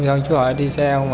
xong chú hỏi đi xe không